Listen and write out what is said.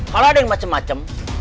kalau ada yang macem macem